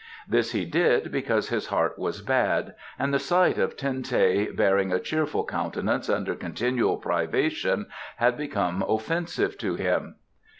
This he did because his heart was bad, and the sight of Ten teh bearing a cheerful countenance under continual privation had become offensive to him.